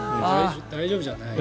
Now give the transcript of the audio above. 大丈夫じゃない。